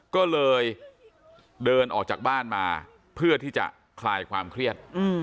ก็เลยเดินออกจากบ้านมาเพื่อที่จะคลายความเครียด